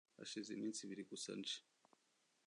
Hashize iminsi ibiri gusa nje